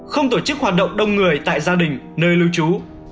không tổ chức hoạt động đông người tại gia đình nơi lưu trú